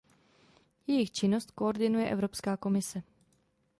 Jejich činnost koordinuje Evropská komise.